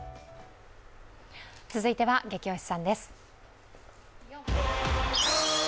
続いては「ゲキ推しさん」です。